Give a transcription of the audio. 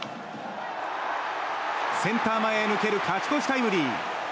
センター前へ抜ける勝ち越しタイムリー。